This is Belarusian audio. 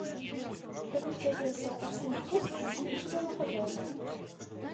То бок вядзецца раслінаводства і жывёлагадоўля.